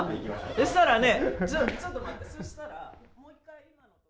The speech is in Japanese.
そしたらね。